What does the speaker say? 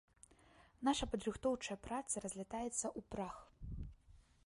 Наша падрыхтоўчая праца разлятаецца ў прах.